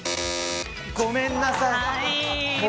ごめんなさい。